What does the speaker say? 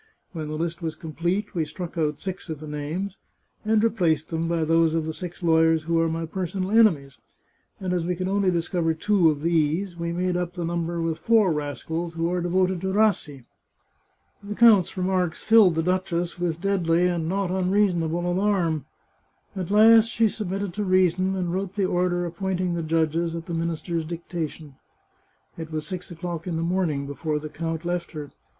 When the list was complete we struck out six of the names, and replaced them by those of six lawyers who are my personal enemies, and as we could only discover two of these, we made up the number with four rascals who are devoted to Rassi." The count's remarks filled the duchess with deadly and not unreasonable alarm. At last she submitted to reason, and wrote the order appointing the judges, at the minister's dictation. It was six o'clock in the morning before the count left her.